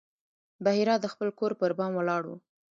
بحیرا د خپل کور پر بام ولاړ و.